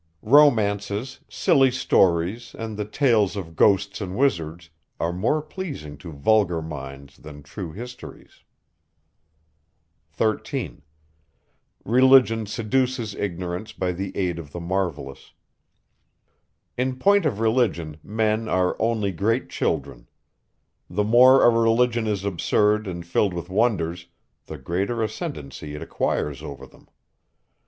Romances, silly stories, and the tales of ghosts and wizards, are more pleasing to vulgar minds than true histories. 13. In point of religion, men are only great children. The more a religion is absurd and filled with wonders, the greater ascendancy it acquires over them.